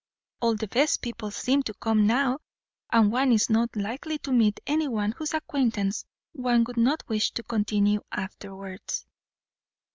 All the best people seem to come now, and one is not likely to meet anyone whose acquaintance one would not wish to continue afterwards."